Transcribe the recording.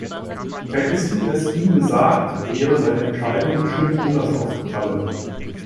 Hättest du es ihm gesagt, wäre seine Entscheidung bestimmt anders ausgefallen.